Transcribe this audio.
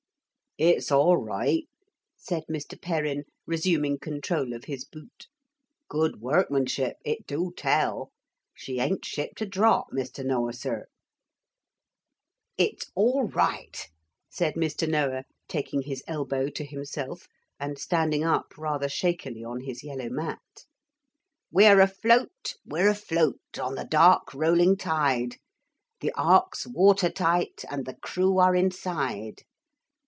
'It's all right,' said Mr. Perrin, resuming control of his boot; 'good workmanship, it do tell. She ain't shipped a drop, Mr. Noah, sir.' 'It's all right,' said Mr. Noah, taking his elbow to himself and standing up rather shakily on his yellow mat. 'We're afloat, we're afloat On the dark rolling tide; The ark's water tight And the crew are inside.